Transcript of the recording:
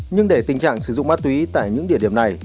nhưng để tình trạng sử dụng ma túy tại những địa điểm này